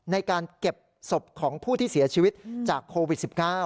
ในการเก็บศพของผู้ที่เสียชีวิตจากโควิด๑๙